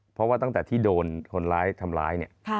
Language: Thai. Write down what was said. เพราะว่าตั้งแต่ที่โดนคนร้ายทำร้ายเนี่ย